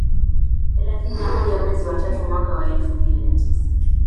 Thelathini na moja mwezi wa tatu mwaka waelfu mbili na tisa